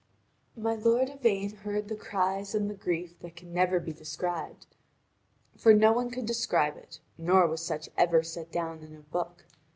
(Vv. 1173 1242.) My lord Yvain heard the cries and the grief that can never be described, for no one could describe it, nor was such ever set down in a book.